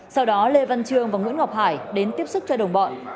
sau đó lê văn trương và nguyễn ngọc hải đến tiếp sức cho đồng bọn